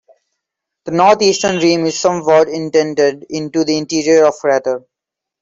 The northeastern rim is somewhat indented into the interior of the crater.